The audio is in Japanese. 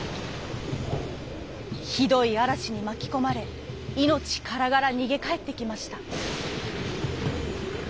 ひどいあらしにまきこまれいのちからがらにげかえってきました。